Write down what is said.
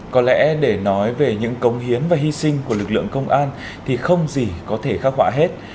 có lẽ để nói về những công hiến và hy sinh của lực lượng công an thì không gì có thể khắc họa hết